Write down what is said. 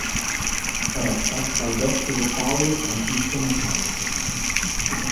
È retta dal vescovo Paulo Francisco Machado.